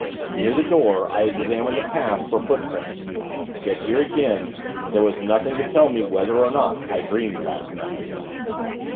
Near the door, I examined the path, for footprints; yet, here again, there was nothing to tell me whether, or not, I dreamed last night.